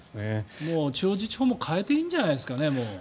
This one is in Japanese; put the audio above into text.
地方自治法も変えていいんじゃないですかね、もう。